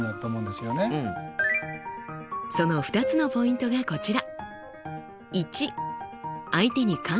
その２つのポイントがこちら。